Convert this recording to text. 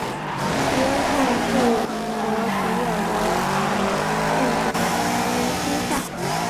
约翰逊和比尔德还入选了全明星赛。